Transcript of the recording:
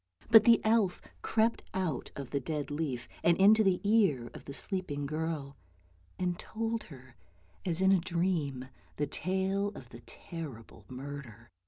But the elf crept out of the dead leaf, and into the ear of the sleeping girl, and told her, as in a dream, the tale of the terrible murder.